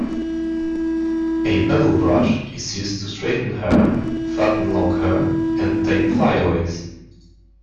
A paddle brush is used to straighten hair, flatten long hair, and tame fly-aways.